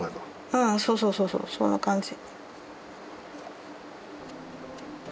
うんそうそうそうそうそんな感じ。